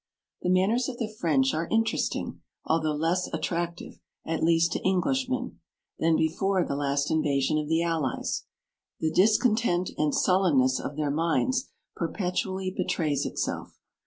The manners of the French are in teresting, although less attractive, at least to Englishmen, than before the last invasion of the Allies: the discon tent and sullenness of their minds perpetually betrays itself.